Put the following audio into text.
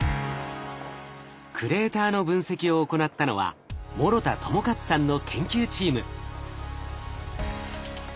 クレーターの分析を行ったのは諸田智克さんの研究チーム。